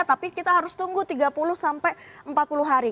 tapi kita harus tunggu tiga puluh sampai empat puluh hari